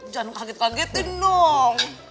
jangan kaget kagetin dong